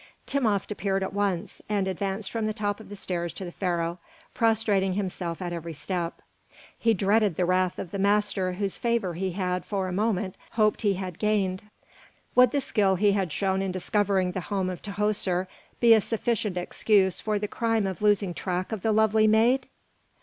Timopht appeared at once, and advanced from the top of the stairs to the Pharaoh, prostrating himself at every step. He dreaded the wrath of the master whose favour he had, for a moment, hoped he had gained. Would the skill he had shown in discovering the home of Tahoser be a sufficient excuse for the crime of losing track of the lovely maid?